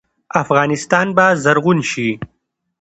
افغانستان به زرغون شي؟